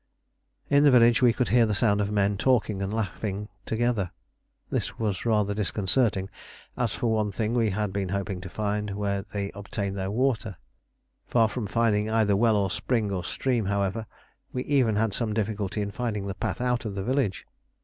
In the village we could hear the sound of men talking and laughing together. This was rather disconcerting, as for one thing we had been hoping to find where they obtained their water. Far from finding either well or spring or stream, however, we even had some difficulty in finding the path out of the village.